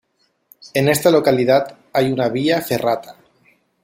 En esta localidad hay una vía ferrata.